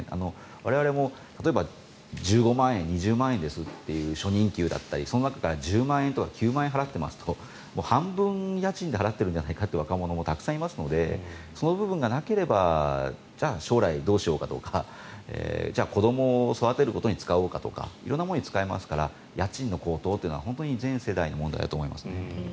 我々も１５万円です２０万円ですという初任給だったり、その中から１０万、９万を払っていますと半分家賃で払ってるんじゃないかという若者もたくさんいますのでその部分がなければ将来どうしようかとか子どもを育てることに使おうかとか色んなものに使えますから家賃の高騰は全世代の問題だと思います。